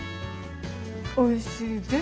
おいしいぜ。